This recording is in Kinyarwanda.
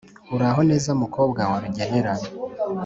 uraho neza mukobwa wa rugenera?"